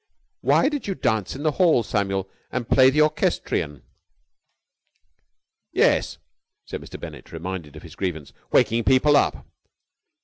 Why did you dance in the hall, Samuel, and play the orchestrion?" "Yes," said Mr. Bennett, reminded of his grievance, "waking people up."